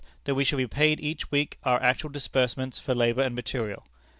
That we shall be paid each week our actual disbursements for labor and material.